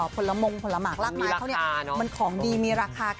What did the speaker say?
ผลมงผลหมากลากไม้เขาเนี่ยมันของดีมีราคา